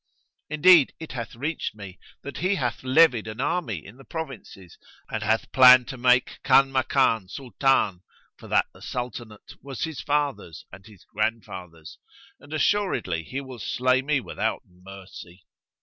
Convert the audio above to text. Indeed it hath reached me that he hath levied an army in the provinces and hath planned to make Kanmakan Sultan, for that the Sultanate was his father's and his grandfather's; and assuredly he will slay me without mercy."